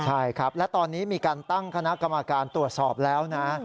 ใช่ครับและตอนนี้มีการตั้งคณะกรรมการตรวจสอบแล้วนะ